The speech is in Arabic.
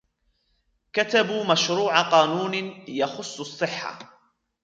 كتبوا مشروع قانون يخص الصحة